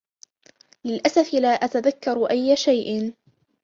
للأسف، لا أتذكر أي شيء.